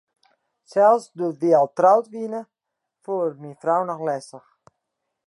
Sels doe't wy al troud wiene, foel er myn frou noch lestich.